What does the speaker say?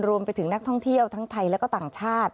รวมไปถึงนักท่องเที่ยวทั้งไทยและก็ต่างชาติ